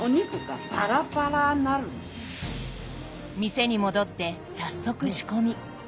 店に戻って早速仕込み。